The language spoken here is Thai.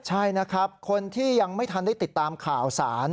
ใช่นะครับคนที่ยังไม่ทันได้ติดตามข่าวสาร